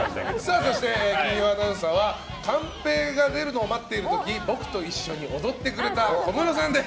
そして、アナウンサーはカンペが出るのを待っている時僕と一緒に踊ってくれた小室さんです。